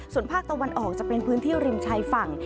ส่วนภาคตะวันออกจะเป็นพื้นที่ริมชายฝั่ง